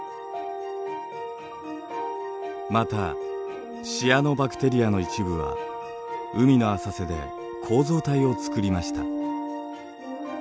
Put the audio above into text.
またシアノバクテリアの一部は海の浅瀬で構造体をつくりました。